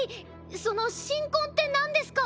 その神婚ってなんですか？